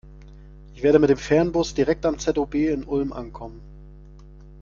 Ich werde mit dem Fernbus direkt am ZOB in Ulm ankommen.